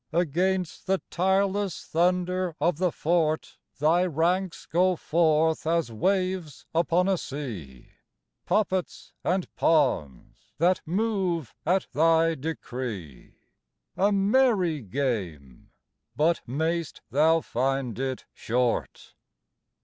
Against the tireless thunder of the fort Thy ranks go forth as waves upon a sea Puppets and pawns that move at thy decree. A merry game, but mayst thou find it short!